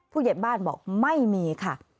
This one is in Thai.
ผู้ใหญ่บ้านบอกไม่มีค่ะ